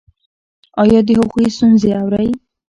ایا د هغوی ستونزې اورئ؟